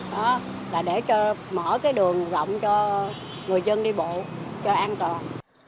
đó là để mở cái đường rộng cho người dân đi bộ cho an toàn